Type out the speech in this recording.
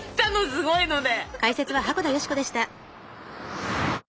すごいので！